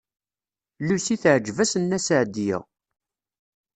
Lucy teɛjeb-as Nna Seɛdiya.